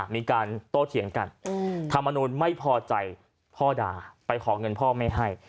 มีการโตเถียงกันธรรมนูลไม่พอใจพ่อด่าไปขอเงินพ่อไม่ให้